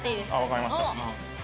わかりました。